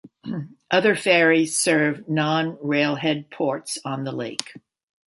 Other ferries serve non-railhead ports on the lake.